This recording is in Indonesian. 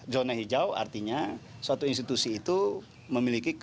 zona hijau artinya suatu institusi itu memiliki kekuatan